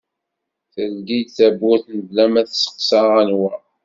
Teldi-d tawwurt bla ma testeqsa anwa.